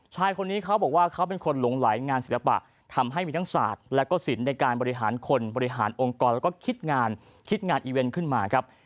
ชายคนนี้เขาบอกว่าเขาเป็นคนหลงไหลงานศิลปะทำให้มีทั้งศาสตร์และก็สินในการบริหารคนบริหารองค์กรแล้วก็คิดงานคิดงานอีเวนต์ขึ้นมาครับ